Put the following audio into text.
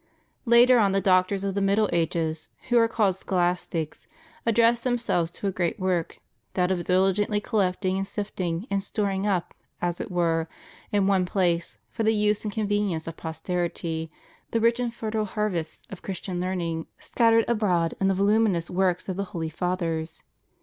Later on the doctors of the middle ages, who are called scholastics, addressed themselves to a great work — that of dihgently collecting, and sifting, and storing up, as it were, in one place, for the use and convenience of posterity the rich and fertile harvests of Christian learning scattered abroad in the voluminous works of the holy Fathers.